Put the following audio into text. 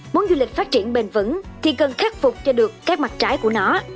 muốn du lịch phát triển bền vững thì cần khắc phục cho được các mặt trái của nó